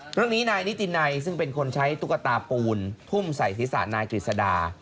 เรื่องนี้นายนิตินัยซึ่งเป็นคนใช้ตุ๊กตาปูนทุ่มใส่ศีรษะนายกฤษดา